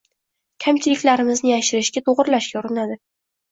Kamchiliklarimizni yashirishga, to‘g‘irlashga urinadi.